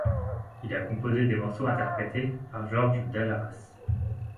Il a composé des morceaux interprétés par Georges Dalaras.